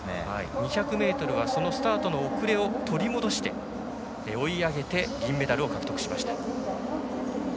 ２００ｍはスタートの遅れを取り戻して追い上げて銀メダルを獲得しました。